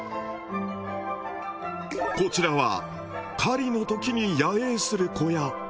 こちらは狩りのときに野営する小屋。